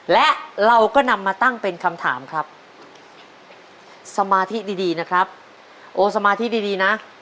และเราก็นำมาตั้งเป็นคำถามครับสมาธิดีดีนะครับโอ้สมาธิดีดีนะ